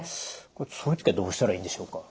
そういう時はどうしたらいいんでしょうか？